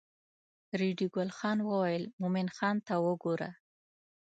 ریډي ګل خان وویل مومن خان ته وګوره.